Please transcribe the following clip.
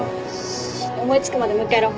思いつくまでもう一回やろう。